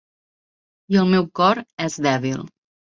I el meu cor és dèbil.